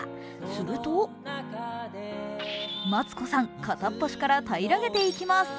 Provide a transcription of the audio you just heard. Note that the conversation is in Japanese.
すると、マツコさん、片っ端から平らげていきます。